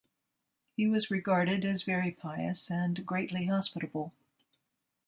He was regarded as very pious and greatly hospitable.